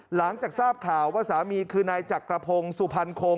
หลังจากทราบข่าวว่าสามีคือนายจักรพงศ์สุพรรณโคง